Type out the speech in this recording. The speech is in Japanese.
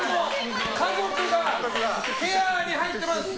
家族がケアに入っています！